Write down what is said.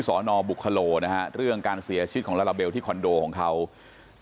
สอนอบุคโลนะฮะเรื่องการเสียชีวิตของลาลาเบลที่คอนโดของเขา